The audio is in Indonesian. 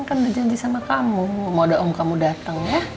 kan udah janji sama kamu mau dong kamu datang ya